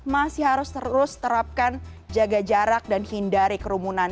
masih harus terus terapkan jaga jarak dan hindari kerumunan